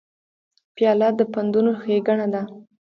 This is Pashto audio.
پیاله د پندونو ښیګڼه ده.